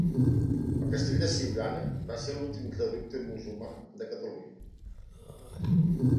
El castell de Siurana va ser l'últim reducte musulmà de Catalunya.